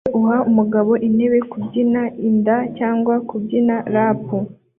Umugore uha umugabo intebe kubyina inda cyangwa kubyina lap